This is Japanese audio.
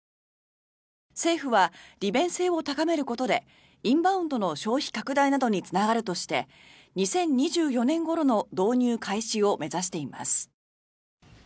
政府は利便性を高めることでインバウンドの消費拡大などにつながるとして２０２４年ごろの導入開始を目指しています。